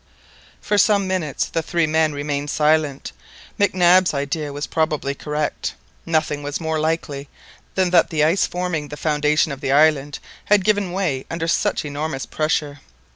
For some minutes the three men remained silent. Mac Nab's idea was probably correct. Nothing was more likely than that the ice forming the foundation of the island had given way under such enormous pressure.